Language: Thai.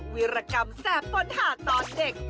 วิรกรรมแสบค้นหาตอนเด็ก